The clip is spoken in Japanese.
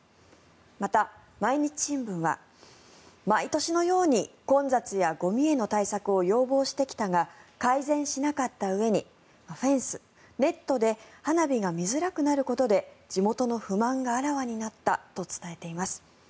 また、毎日新聞は毎年のように混雑やゴミへの対策を要望してきたが改善しなかったうえにフェンス、ネットで花火が見づらくなることで地元の不満があらわになったと伝えています。